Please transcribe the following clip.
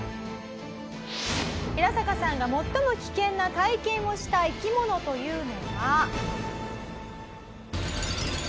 「ヒラサカさんが最も危険な体験をした生き物というのが」